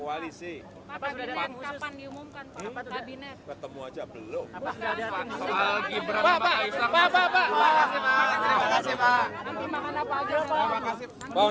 makan apa aja nanti dia lepas